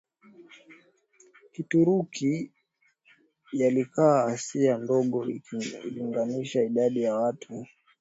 Kituruki yalikaa Asia Ndogo ikilinganisha idadi ya watu